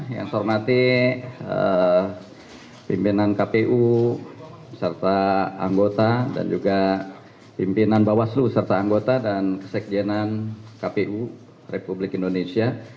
yang saya hormati pimpinan kpu serta anggota dan juga pimpinan bawaslu serta anggota dan kesekjenan kpu republik indonesia